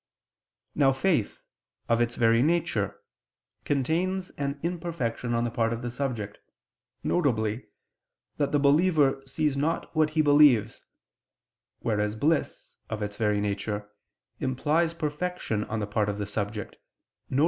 Now faith, of its very nature, contains an imperfection on the part of the subject, viz. that the believer sees not what he believes: whereas bliss, of its very nature, implies perfection on the part of the subject, viz.